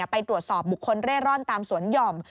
ไปตรวจสอบบุคคลเร่ร่อนตามสวนหย่อม